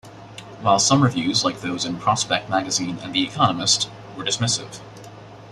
While some reviews, like those in Prospect Magazine and The Economist, were dismissive.